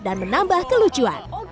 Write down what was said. dan menambah kelucuan